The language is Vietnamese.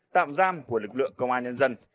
tạm giam của lực lượng công an nhân dân